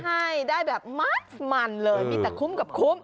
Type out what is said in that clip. ให้ได้แบบมัดมันเลยมีแต่คุ้มกับคุ้ม